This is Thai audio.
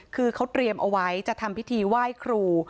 คือเขาเตรียมเอาไว้จะทำพิธีไหว้ครู